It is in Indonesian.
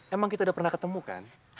emang kita udah pernah ketemu kan